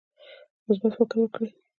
مثبت فکر وکړئ